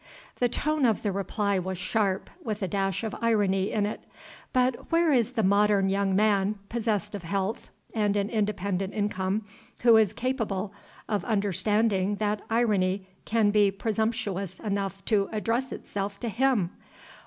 The tone of the reply was sharp, with a dash of irony in it. But where is the modern young man, possessed of health and an independent income, who is capable of understanding that irony can be presumptuous enough to address itself to _him?